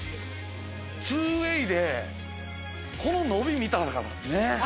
２ＷＡＹでこの伸びを見たらね。